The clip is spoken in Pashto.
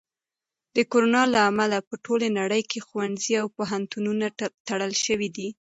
د کرونا له امله په ټوله نړۍ کې ښوونځي او پوهنتونونه تړل شوي دي.